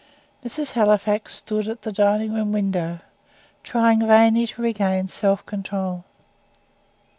Mrs. Halifax stood at the dining room window, trying vainly to regain self control.